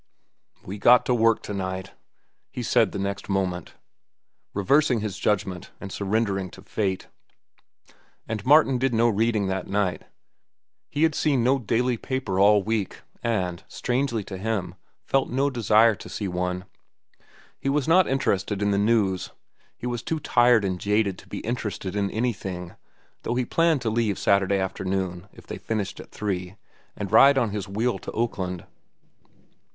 "We got to work to night," he said the next moment, reversing his judgment and surrendering to fate. And Martin did no reading that night. He had seen no daily paper all week, and, strangely to him, felt no desire to see one. He was not interested in the news. He was too tired and jaded to be interested in anything, though he planned to leave Saturday afternoon, if they finished at three, and ride on his wheel to Oakland.